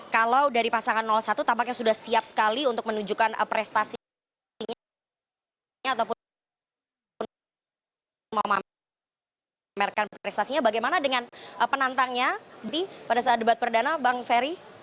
kalau dari pasangan satu tampaknya sudah siap sekali untuk menunjukkan prestasi ataupun memamerkan prestasinya bagaimana dengan penantangnya nanti pada saat debat perdana bang ferry